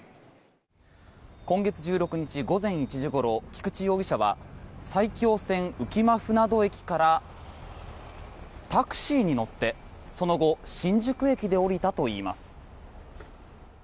今月１６日午前１時ごろ菊池容疑者は埼京線浮間舟渡駅からタクシーに乗ってその後新宿駅で降りたということです。